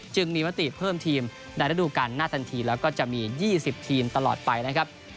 จึงมีมติเพิ่มทีมในระดูการหน้าทันทีแล้วก็จะมี๒๐ทีมตลอดไปนะครับ